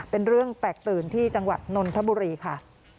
เป็นเรื่องแตกตื่นที่จังหวัดนนทบุรีค่ะ